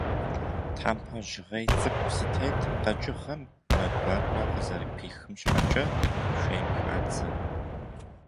Тхьэмпэ жьгъей цӏыкӏу зытет къэкӏыгъэм мэ гуакӏуэ къызэрыпихым щхьэкӏэ, шейм хадзэ.